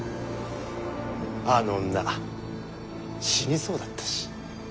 あの女死にそうだったし。